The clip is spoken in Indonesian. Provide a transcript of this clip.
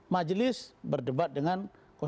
majelis berdebat dengan